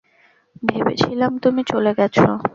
ভেবেছিলাম তুমি চলে গেছো।